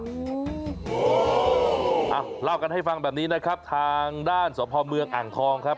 เล่ากันให้ฟังแบบนี้นะครับทางด้านสพเมืองอ่างทองครับ